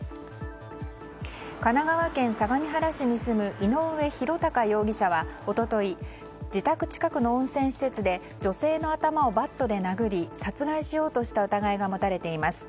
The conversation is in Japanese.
神奈川県相模原市に住む井上弘貴容疑者は一昨日、自宅近くの温泉施設で女性の頭をバットで殴り殺害しようとした疑いが持たれています。